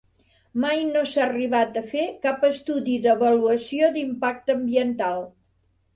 Mai no s'ha arribat a fer cap estudi d'avaluació d'impacte ambiental.